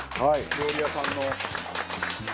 料理屋さんの。